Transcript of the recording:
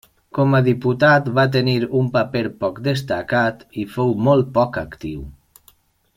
Com a diputat va tenir un paper poc destacat i fou molt poc actiu.